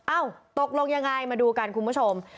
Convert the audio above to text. ตกลงยังไงมาดูกันคุณผู้ชม